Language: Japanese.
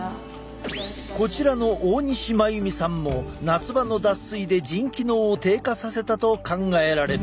こちらの大西眞由美さんも夏場の脱水で腎機能を低下させたと考えられる。